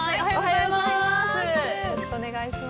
よろしくお願いします。